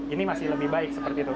ini masih lebih baik seperti itu